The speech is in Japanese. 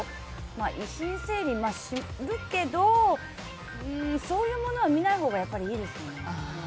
遺品整理するけどそういうものは見ないほうがやっぱり、いいですよね。